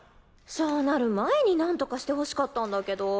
そうなる前に何とかしてほしかったんだけど。